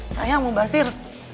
sayang mau basir